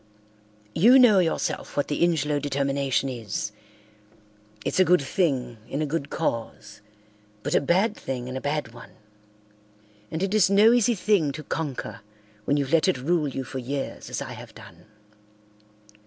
You know yourself what the Ingelow determination is. It's a good thing in a good cause but a bad thing in a bad one. And it is no easy thing to conquer when you've let it rule you for years as I have done.